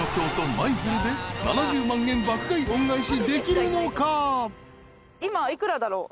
舞鶴で７０万円爆買い恩返しできるのか？］